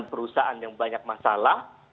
perusahaan yang banyak masalah